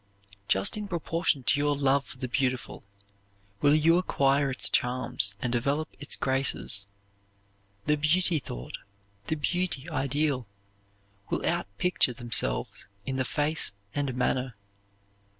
Just in proportion to your love for the beautiful will you acquire its charms and develop its graces. The beauty thought, the beauty ideal, will outpicture themselves in the face and manner.